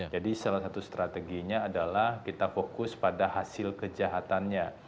jadi salah satu strateginya adalah kita fokus pada hasil kejahatannya